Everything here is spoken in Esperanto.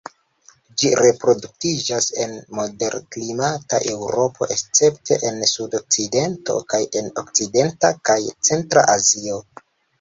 Ĝi reproduktiĝas en moderklimata Eŭropo, escepte en sudokcidento, kaj en okcidenta kaj centra Azio.